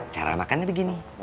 cara makannya begini